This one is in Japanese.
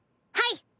はい！